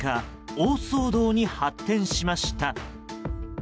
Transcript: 大騒動に発展しました。